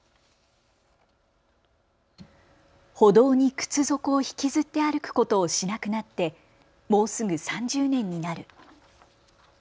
歩道に靴底を引きずって歩くことをしなくなってもうすぐ３０年になる。